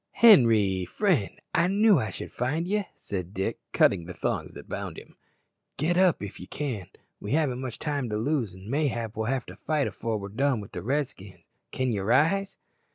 "Henri, friend, I knew I should find ye," said Dick, cutting the thongs that bound him. "Get up if ye can; we haven't much time to lose, an' mayhap we'll have to fight afore we're done wi' the Redskins. Can ye rise?"